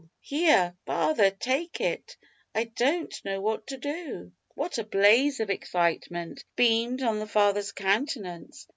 here, father, take it I don't know what to do." What a blaze of excitement beamed on the father's countenance!